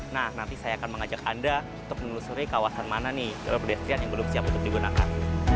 nah nanti saya akan mengajak anda untuk menelusuri kawasan mana nih jalur pedestrian yang belum siap untuk digunakan